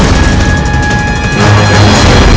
aku akan menang